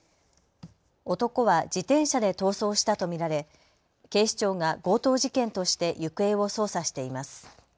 男は自転車で逃走したと見られ警視庁が強盗事件として行方を捜査しています。